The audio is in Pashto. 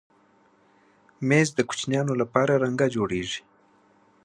مېز د کوچنیانو لپاره رنګه جوړېږي.